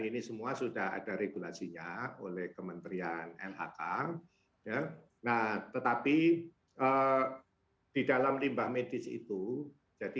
ini semua sudah ada regulasinya oleh kementerian lhk ya nah tetapi di dalam limbah medis itu jadi